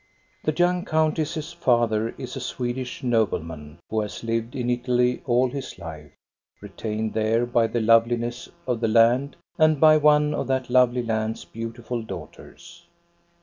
The young countess's father is a Swedish noble man, who has lived in Italy all his life, retained there by the loveliness of the land and by one of that lovely land's beautiful daughters.